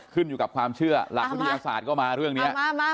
ขึ้นอยู่กับความเชื่อหลักวิทยาศาสตร์ก็มาเรื่องนี้